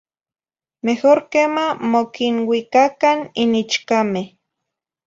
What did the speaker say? Mejor quema mo quinuicacan in ichcame